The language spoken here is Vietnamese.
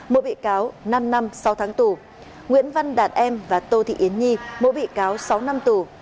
mỗi bị cáo năm năm sáu tháng tù nguyễn văn đạt em và tô thị yến nhi mỗi bị cáo sáu năm tù